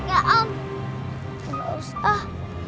enggak om enggak usah